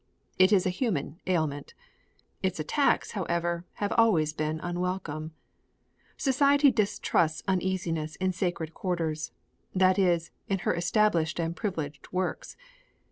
It is a human ailment. Its attacks, however, have always been unwelcome. Society distrusts uneasiness in sacred quarters; that is, in her established and privileged works.